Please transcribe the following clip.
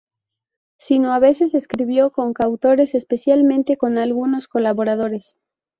Sino a veces escribió con coautores, especialmente con algunos colaboradores.